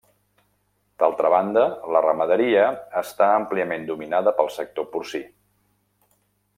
D'altra banda, la ramaderia està àmpliament dominada pel sector porcí.